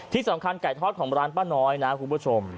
ที่สำคัญไก่ทอดของร้านป้าน้อยนะคุณผู้ชม